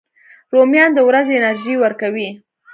رومیان د ورځې انرژي ورکوي